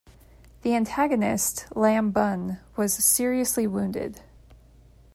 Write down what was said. The antagonist, Lam Bun, was seriously wounded.